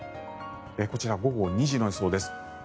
こちら、午後２時の予想です。